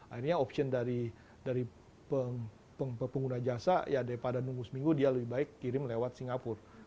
akhirnya option dari pengguna jasa ya daripada nunggu seminggu dia lebih baik kirim lewat singapura